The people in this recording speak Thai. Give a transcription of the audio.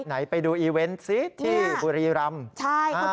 ไหนไปดูอีเวนต์ซิที่บุรีรำ